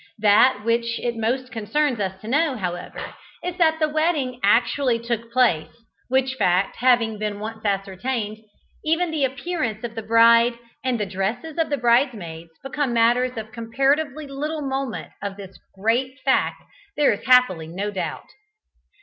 That which it most concerns us to know, however, is that the wedding actually took place, which fact having been once ascertained, even the appearance of the bride and the dresses of the bridesmaids become matters of comparatively little moment Of this great fact there is happily no doubt.